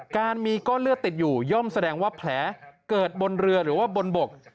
การมีก้อนเลือดติดอยู่ย่อมแสดงว่าแผลเกิดบนเรือหรือว่าบนบก